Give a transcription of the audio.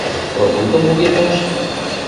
Прогулкым кугемдаш?